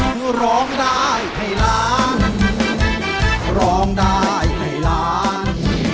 ทุกคนรองได้ให้ร้าน